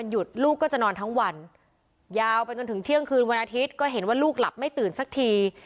ยาวไปจนถึงเที่ยงคืนวันอาทิตย์ก็เห็นว่าลูกหลับไม่ตื่นสักที